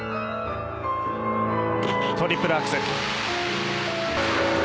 トリプルアクセル。